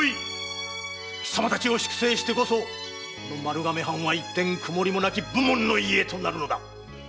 貴様たちを粛清してこそ丸亀藩は一点曇りもなき武門の家となるのだ！